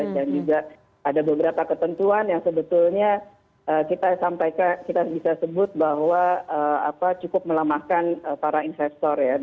dan juga ada beberapa ketentuan yang sebetulnya kita bisa sebut bahwa cukup melemahkan para investor